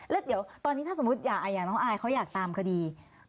แล้วเดี๋ยวตอนนี้ถ้าสมมุติอย่างน้องอายเขาอยากตามคดี